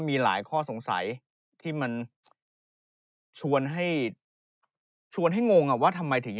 มีหลายข้อสงสัยที่มันชวนให้ชวนให้งงว่าทำไมถึง